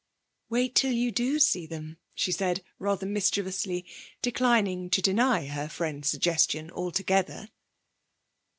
'Wait till you do see them,' she said, rather mischievously, declining to deny her friend's suggestion altogether.